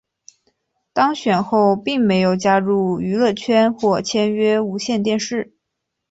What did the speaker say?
当选后并没有加入娱乐圈或签约无线电视。